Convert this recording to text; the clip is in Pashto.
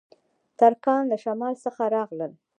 ترکان له شمال څخه راغلل